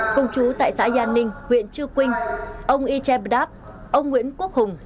công chú tại xã gia ninh huyện chư quynh ông y cheb dap ông nguyễn quốc hùng